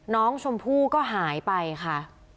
น้องชมพู่ก็หายไปค่ะ